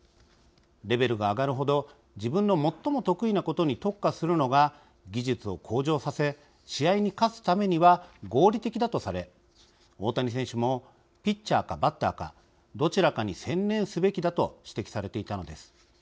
レベルが上がるほど自分の最も得意なことに特化するのが技術を向上させ試合に勝つためには合理的だとされ大谷選手もピッチャーかバッターかどちらかに専念すべきだと指摘されていたのです。